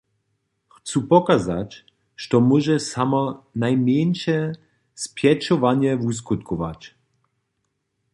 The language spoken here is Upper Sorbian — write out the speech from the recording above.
Chcu pokazać, što móže samo najmjeńše spjećowanje wuskutkować.